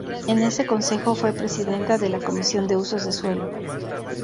En ese Consejo fue presidenta de la Comisión de Usos de Suelo.